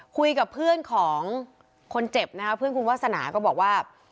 คุยกับเพื่อนของคนเจ็บนะคะเพื่อนคุณวาสนาก็บอกว่า